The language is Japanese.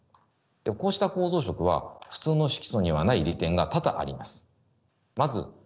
こうした構造色は普通の色素にはない利点が多々あります。